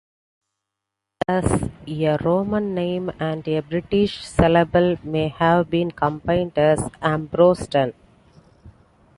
Thus, a Roman name and a British syllable may have been combined as "Ambrosden".